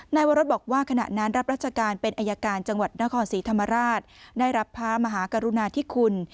นายวรสบอกว่าขณะนั้นรับราชการเป็นอายการจังหวัดนครศรีธรรมราชได้รับพระมหากรุณาธิคุณ